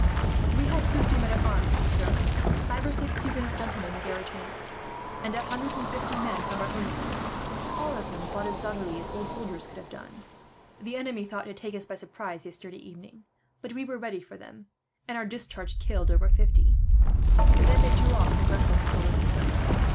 "We had fifty men at arms, sir, five or six Huguenot gentlemen with their retainers, and a hundred and fifty men from our own estate; all of whom fought as doughtily as old soldiers could have done. "The enemy thought to take us by surprise, yesterday evening; but we were ready for them, and our discharge killed over fifty. Then they drew off, and left us until this morning.